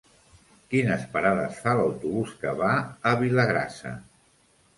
Quines parades fa l'autobús que va a Vilagrassa?